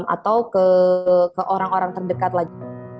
atau ke orang orang terdekat lagi